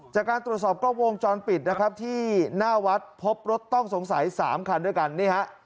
จากการตรวจสอบกล้องวงจรปิดนะครับที่หน้าวัดพบรถต้องสงสัย๓คันด้วยกันนี่ฮะ